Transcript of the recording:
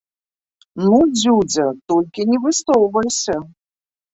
Ну дзюдзя, толькі не высоўвайся!